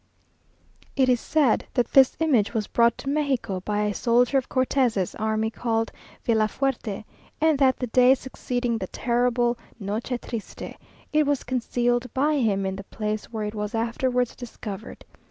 It is said that this image was brought to Mexico by a soldier of Cortes's army called Villafuerte, and that the day succeeding the terrible Noche Triste, it was concealed by him in the place where it was afterwards discovered.